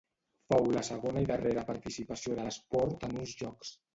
Fou la segona i darrera participació de l'esport en uns Jocs.